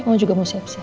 mama juga mau siap siap